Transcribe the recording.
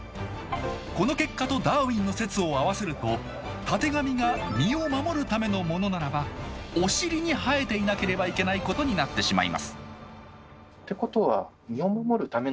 この結果とダーウィンの説を合わせるとたてがみが「身を守るためのもの」ならばお尻に生えていなければいけないことになってしまいますってことはえ？